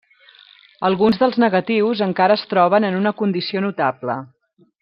Alguns dels negatius encara es troben en una condició notable.